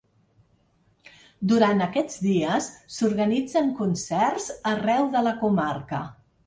Durant aquests dies, s’organitzen concerts arreu de la comarca.